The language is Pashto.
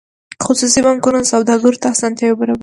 خصوصي بانکونه سوداګرو ته اسانتیاوې برابروي